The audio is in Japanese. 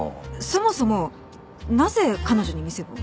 そもそもなぜ彼女に店を？